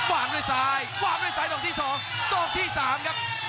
วางด้วยซ้ายวางด้วยซ้ายตรงที่สองตรงที่สามครับ